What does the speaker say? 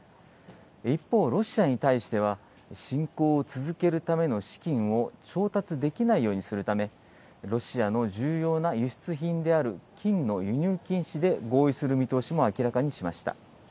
一方、ロシアに対しては、侵攻を続けるための資金を調達できないようにするため、ロシアの重要な輸出品である金の輸入禁止で合意する見通しも明らかにしました。